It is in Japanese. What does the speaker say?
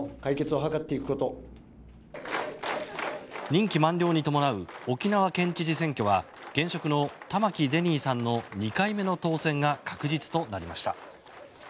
任期満了に伴う沖縄県知事選挙は現職の玉城デニーさんの２回目の当選が確実となりました。